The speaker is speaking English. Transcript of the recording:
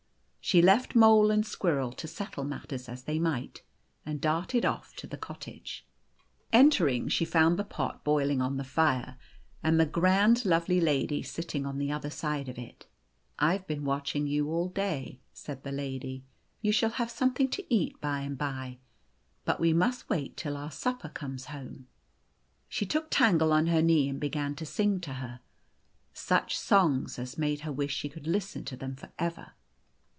She left Mole and Squirrel to settle matters as they might, and darted off to the cottage. Entering, she found the pot boiling on the fire, and the grand, lovely lady sit ting on the other side of it. u I Ve been watching you all day," said the lady. "You shall have something to eat by and by, but we must wait till our supper conies home." She took Tangle on her knee, and began to sing to her such songs as made her wish she could listen to them for ever.